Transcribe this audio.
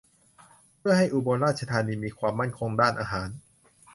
เพื่อให้อุบลราชธานีมีความมั่นคงด้านอาหาร